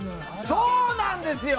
そうなんですよ。